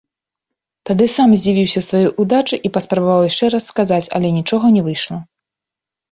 Тады сам здзівіўся сваёй удачы і паспрабаваў яшчэ раз сказаць, але нічога не выйшла.